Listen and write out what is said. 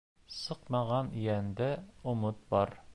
Сыҡмаған йәндә өмөт бар.